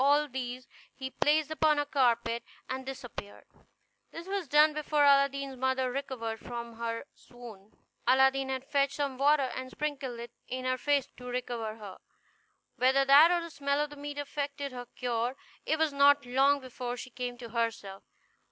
All these he placed upon a carpet, and disappeared; this was done before Aladdin's mother recovered from her swoon. Aladdin had fetched some water, and sprinkled it in her face to recover her. Whether that or the smell of the meat effected her cure, it was not long before she came to herself.